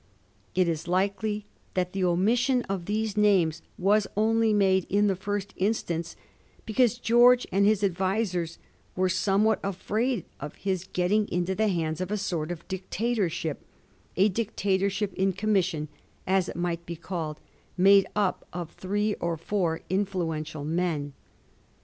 It is likely that the omission of these names was only made in the first instance because George and his advisers were somewhat afraid of his getting into the hands of a sort of dictatorship — a dictatorship in commission, as it might be called, made up of three or four influential men.